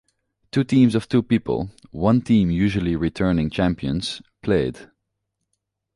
Two teams of two people, one team usually returning champions, played.